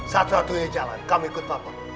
satu atunya jalan kamu ikut papa